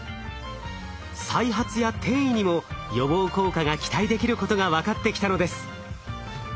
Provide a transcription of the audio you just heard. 再発や転移にも予防効果が期待できることが分かってきたのです。